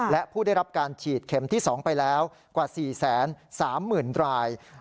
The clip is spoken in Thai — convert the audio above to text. และผู้ได้รับการฉีดเข็มที่๒ไปแล้วกว่า๔๓๐๐๐ราย